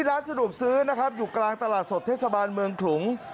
ร้านสะดวกซื้อนะครับอยู่กลางตลาดสดเทศบาลเมืองขลุง